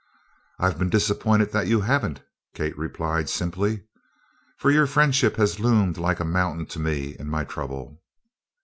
"I've been disappointed that you haven't," Kate replied, simply, "for your friendship has loomed like a mountain to me in my trouble."